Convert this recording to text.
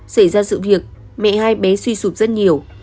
xảy ra sự việc mẹ hai bé suy sụp rất nhiều